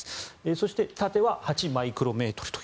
そして縦は８マイクロメートルと。